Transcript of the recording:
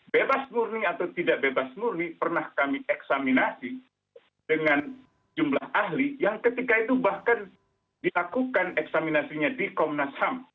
bebas murni atau tidak bebas murni pernah kami eksaminasi dengan jumlah ahli yang ketika itu bahkan dilakukan eksaminasinya di komnas ham